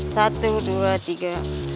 satu dua tiga